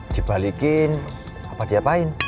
dibalikin apa diapain